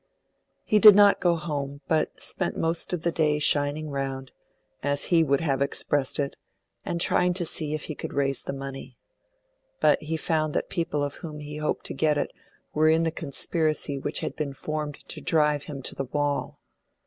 He did not go home, but spent most of the day shining round, as he would have expressed it, and trying to see if he could raise the money. But he found that people of whom he hoped to get it were in the conspiracy which had been formed to drive him to the wall.